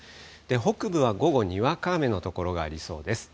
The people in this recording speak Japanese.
北部は午後、にわか雨の所がありそうです。